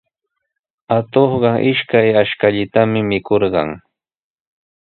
Atuqqa ishkay ashkallaata mikurqan.